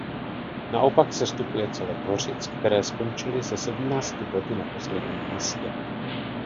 Naopak sestupuje celek Hořic které skončili se sedmnácti body na posledním místě.